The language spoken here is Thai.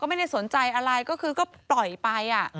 ไม่ได้สนใจอะไรก็คือก็ปล่อยไป